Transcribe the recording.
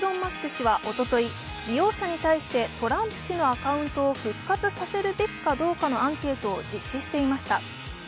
氏は、おととい、利用者に対してトランプ氏のアカウントを復活させるべきかどうかのアンケートを実施していました。